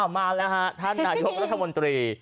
มาแล้วฮะท่านนายกรัฐมนตรี